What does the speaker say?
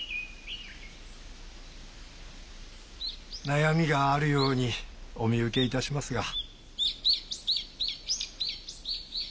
悩みがあるようにお見受け致しますが。